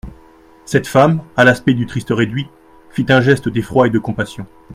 Cette femme, à l'aspect du triste réduit, fit un geste d'effroi et de compassion.